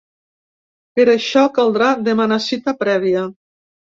Per això, caldrà demanar cita prèvia.